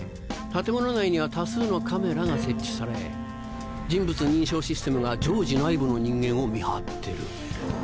建物内には多数のカメラが設置され人物認証システムが常時内部の人間を見張ってる。